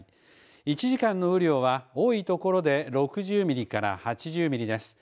１時間の雨量は多い所で６０ミリから８０ミリです。